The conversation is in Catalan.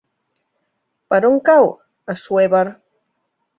Per on cau Assuévar?